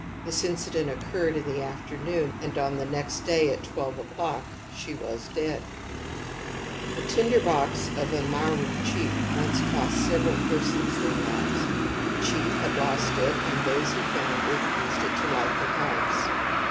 This incident occurred in the afternoon, and on the next day at twelve o'clock she was dead . The tinder box of a Maori chief once cost several persons their lives. The chief had lost it, and those who found it used it to light their pipes.